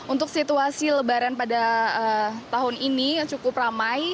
untuk situasi lebaran pada tahun ini yang cukup ramai